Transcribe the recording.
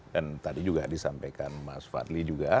dan tadi juga disampaikan mas fadli juga